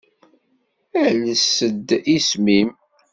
Ales-d isem-im.